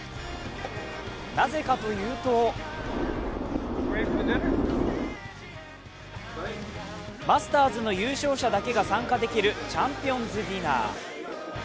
なぜかというとマスターズの優勝者だけが参加できるチャンピオンズディナー。